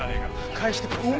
返してください。